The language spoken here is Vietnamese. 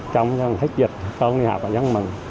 trong hết dịch cháu đi học là mình rất mừng